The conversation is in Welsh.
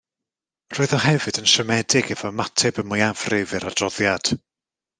Roedd o hefyd yn siomedig efo ymateb y mwyafrif i'r adroddiad.